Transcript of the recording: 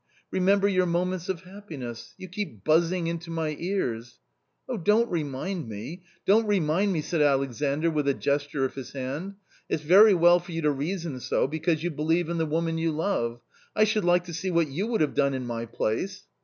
Remember your moments of happiness ; you keep buzzing into my ears "" Oh, don't remind me, don't remind me !" said Alexandr, with a gesture of his hand, " it's very well for you to reason so, because you believe in the woman you love ; I should like to see what you would have done in my place."